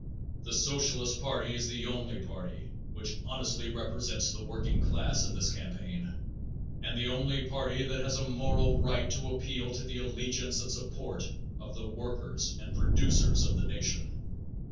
The Socialist party is the only party which honestly represents the working class in this campaign and the only party that has a moral right to appeal to the allegiance and support of the workers and producers of the nation.